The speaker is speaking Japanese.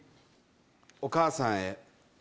「お母さんへ。